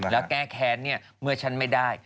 แล้วแก้แค้นเมื่อฉันไม่ได้